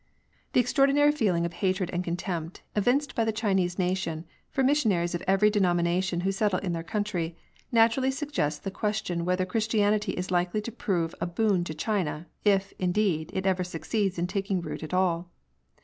The extraordinary feeling of hatred and contempt evinced by tlie Chinese nation for missionaries of every denomination who settle in their country, naturally suggests the question whether Christianity is likely to prove a boon to China, if, indeed, it ever succeeds in taking root at all.